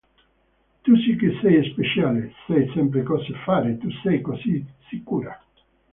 Tu si che sei speciale, sai sempre cosa fare, tu sei così sicura